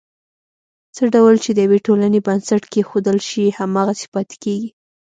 څه ډول چې د یوې ټولنې بنسټ کېښودل شي، هماغسې پاتې کېږي.